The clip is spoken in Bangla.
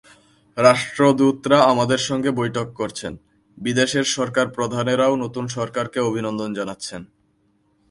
রাষ্ট্রদূতরা আমাদের সঙ্গে বৈঠক করছেন, বিদেশের সরকারপ্রধানেরাও নতুন সরকারকে অভিনন্দন জানাচ্ছেন।